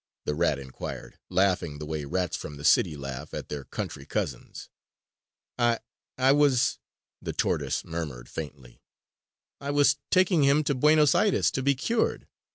the rat inquired, laughing the way rats from the city laugh at their country cousins. "I ... I was ..." the tortoise murmured faintly, "I was taking him to Buenos Aires to be cured